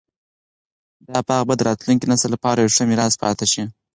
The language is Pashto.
دا باغ به د راتلونکي نسل لپاره یو ښه میراث پاتې شي.